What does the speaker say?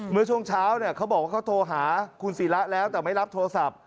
เมื่อช่วงเช้าเขาบอกว่าเขาโทรหาคุณศิระแล้วแต่ไม่รับโทรศัพท์